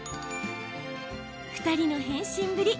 ２人の変身ぶり